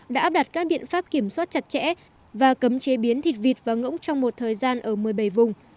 đã áp đặt các biện pháp kiểm soát chặt chẽ và cấm chế biến thịt vịt vào ngỗng trong một thời gian ở một mươi bảy vùng